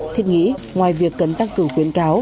thiết nghĩ ngoài việc cần tăng cử quyến cáo